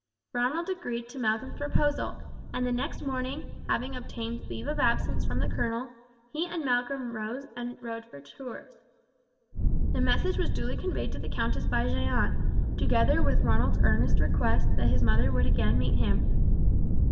Ronald agreed to Malcolm's proposal, and the next morning, having obtained leave of absence from the colonel, he and Malcolm mounted and rode for Tours. The message was duly conveyed to the countess by Jeanne, together with Ronald's earnest request that his mother would again meet him.